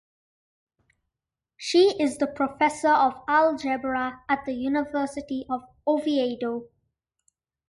She is the professor of algebra at the University of Oviedo.